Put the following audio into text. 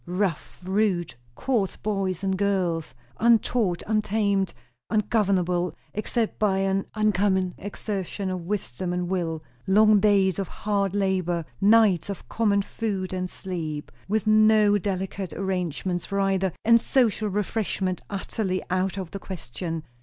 Rough, rude, coarse boys and girls; untaught, untamed, ungovernable, except by an uncommon exertion of wisdom and will; long days of hard labour, nights of common food and sleep, with no delicate arrangements for either, and social refreshment utterly out of the question.